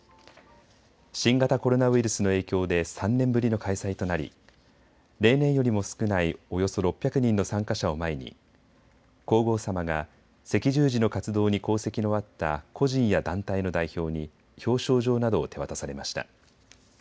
新型新型コロナウイルスの影響で３年ぶりの開催となり例年よりも少ないおよそ６００人の参加者を前に皇后さまが赤十字の活動に功績のあった個人や団体の代表に表彰状などを手渡されました。